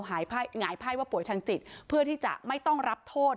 หงายไพ่ว่าป่วยทางจิตเพื่อที่จะไม่ต้องรับโทษ